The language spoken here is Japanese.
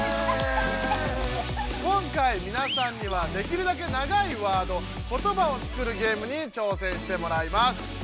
今回みなさんにはできるだけ長いワードことばを作るゲームに挑戦してもらいます。